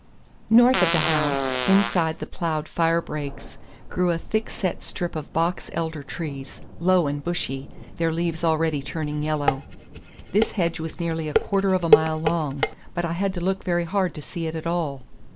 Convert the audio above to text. North of the house, inside the ploughed fire breaks, grew a thick set strip of box elder trees, low and bushy, their leaves already turning yellow. This hedge was nearly a quarter of a mile long, but I had to look very hard to see it at all.